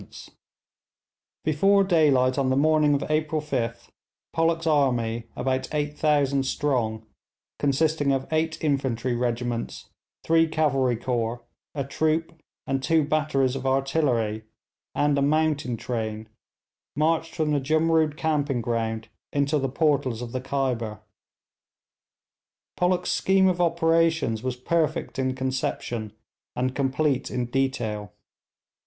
[Illustration: Sir George Pollock] Before daylight on the morning of April 5th Pollock's army about 8000 strong, consisting of eight infantry regiments, three cavalry corps, a troop and two batteries of artillery, and a mountain train, marched from the Jumrood camping ground into the portals of the Khyber. Pollock's scheme of operations was perfect in conception and complete in detail.